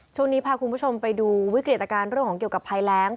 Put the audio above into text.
ช่วงนี้พาคุณผู้ชมไปดูวิกฤตการณ์เรื่องของเกี่ยวกับภัยแรง